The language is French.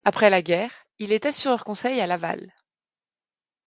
Après la guerre, il est assureur-conseil à Laval.